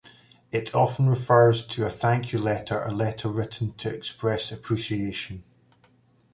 It often refers to a thank you letter, a letter written to express appreciation.